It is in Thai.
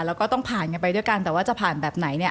แล้วก็ต้องผ่านกันไปด้วยกันแต่ว่าจะผ่านแบบไหนเนี่ย